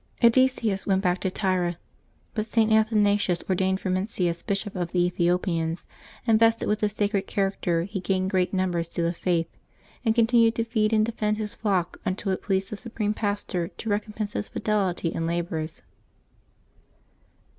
Edesius went back to Tyre, but St. Athanasius ordained Frumentius Bishop of the Ethiopians, and rested with this sacred character he gained great numbers to the Faith, and continued to feed and defend his flock until it pleased the Supreme Pastor to recom pense his fidelity and labors.